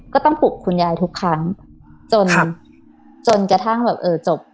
ก็ต้องปลุกคุณยายทุกครั้งจนจนกระทั่งแบบเออจบ